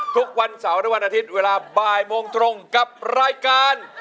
ทุกวันเสาร์และวันอาทิตย์เวลาบ่ายโมงตรงกับรายการ